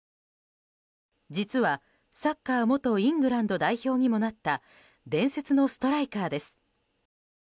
実はサッカー元イングランド代表にもなった伝説のストライカーです。